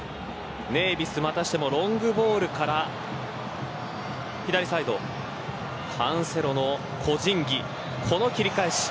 ネーヴィスまたしてもロングボールから左サイドカンセロの個人技この切り返し。